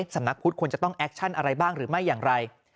สำนักพุทธควรจะต้องแอคชั่นอะไรบ้างหรือไม่อย่างไร